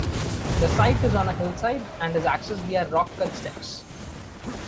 The site is on a hillside, and is accessed via rock cut steps.